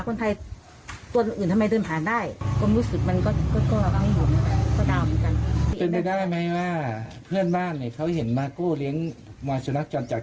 ขอโทษนะครับเค้าเหม็นขี้หน้ามาโก่